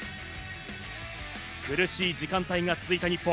苦しい時間帯が続いた日本。